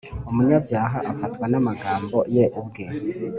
Umunyabyaha afatwa n’amagambo ye ubwe,